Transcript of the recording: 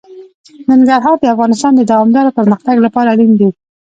ننګرهار د افغانستان د دوامداره پرمختګ لپاره اړین دي.